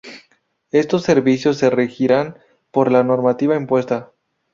Estos servicios se regirán por la normativa impuesta.